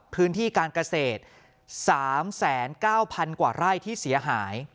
พื้นที่การเกษตร๓๙๐๐กว่าไร่ที่เสียหาย